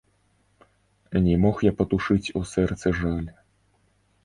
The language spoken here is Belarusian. Не мог я патушыць у сэрцы жаль.